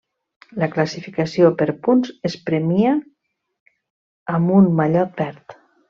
La Classificació per punts es premia amb un mallot verd.